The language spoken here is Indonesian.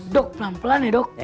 dok pelan pelan nih dok